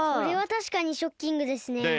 これはたしかにショッキングですね。